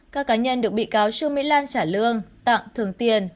các cá nhân được bị cáo trương mỹ lan trả lương tặng thường tiền